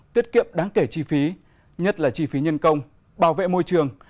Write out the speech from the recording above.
tiết kiệm đáng kể chi phí nhất là chi phí nhân công bảo vệ môi trường